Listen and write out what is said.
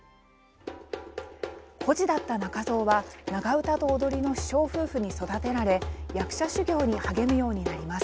孤児だった仲蔵は長唄と踊りの師匠夫婦に育てられ、役者修業に励むようになります。